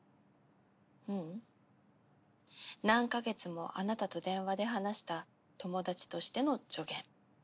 ううん何カ月もあなたと電話で話した友達としての助言。